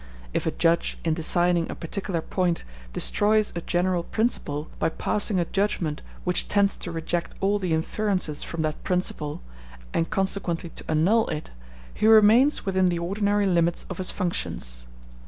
If a judge in deciding a particular point destroys a general principle, by passing a judgment which tends to reject all the inferences from that principle, and consequently to annul it, he remains within the ordinary limits of his functions.